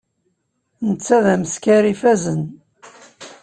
Netta d ameskar ifazen.